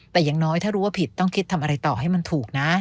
แต่อย่างน้อยถ้ารู้ว่าผิดต้องคิดทำอะไรต่อให้มันถูกนะ